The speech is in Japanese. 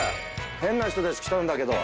変な人たち来たんだけど。